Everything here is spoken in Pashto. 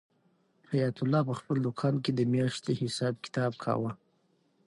حیات الله په خپل دوکان کې د میاشتې حساب کتاب کاوه.